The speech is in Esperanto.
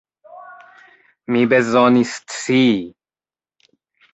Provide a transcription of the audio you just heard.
Mi bezonis scii!